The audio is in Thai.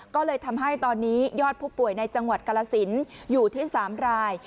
ก็เลยทำให้ตอนนี้ยอดผู้ป่วยในจังหวัดกรสินอยู่ที่๓ราย